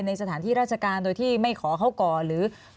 ในสถานที่ราชการโดยที่ไม่ขอเขาก่อหรือ